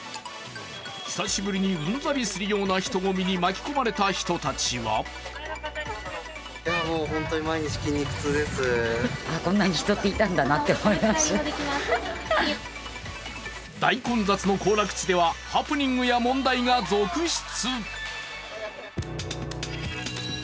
久しぶりにうんざりするような人混みに巻き込まれた人たちは大混雑の行楽地ではハプニングや問題が続出。